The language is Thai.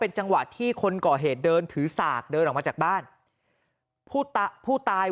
จังหวะที่คนก่อเหตุเดินถือสากเดินออกมาจากบ้านผู้ตายผู้ตาย